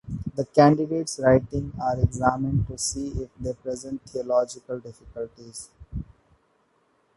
The candidate's writings are examined to see if they present theological difficulties.